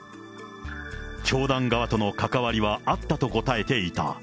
教団側との関わりはあったと答えていた。